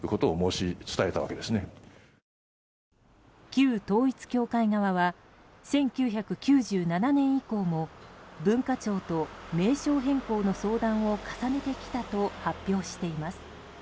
旧統一教会側は１９９７年以降も文化庁と名称変更の相談を重ねてきたと発表しています。